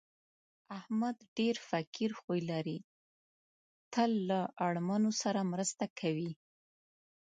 احمد ډېر فقیر خوی لري، تل له اړمنو سره مرسته کوي.